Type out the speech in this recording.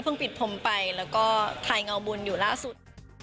ปิดผมไปแล้วก็ถ่ายเงาบุญอยู่ล่าสุด